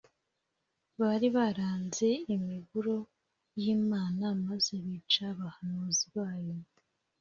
bari baranze imiburo y’imana maze bica abahanuzi bayo